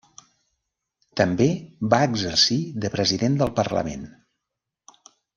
També va exercir de president del Parlament.